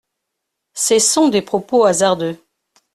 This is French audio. Cessons des propos hasardeux.